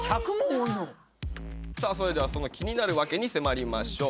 さあそれではその気になるワケに迫りましょう。